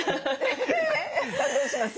さあどうします？